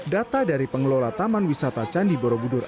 data dari pengelola taman wisata candi borobudur